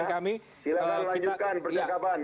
silahkan lanjutkan percakapan